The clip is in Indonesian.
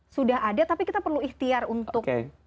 sudah ada tapi kita perlu ikhtiar untuk